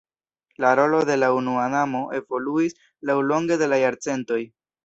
La rolo de la Unua Damo evoluis laŭlonge de la jarcentoj.